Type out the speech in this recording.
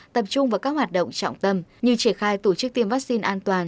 tập trung vào các hoạt động trọng tâm như triển khai tổ chức tiêm vaccine an toàn